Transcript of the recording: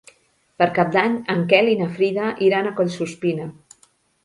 Per Cap d'Any en Quel i na Frida iran a Collsuspina.